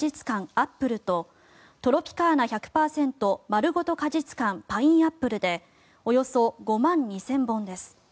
アップルとトロピカーナ１００％まるごと果実感パインアップルでおよそ５万２０００本です。